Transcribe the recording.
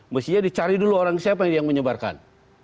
mestinya dicari dulu orang siapa yang menyebarkan